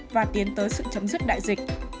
và tiến tới sự chấm dứt đại dịch